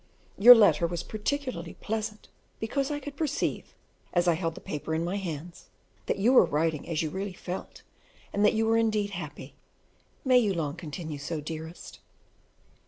Your letter was particularly pleasant, because I could perceive, as I held the paper in my hands, that you were writing as you really felt, and that you were indeed happy. May you long continue so, dearest.